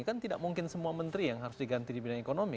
kan tidak mungkin semua menteri yang harus diganti di bidang ekonomi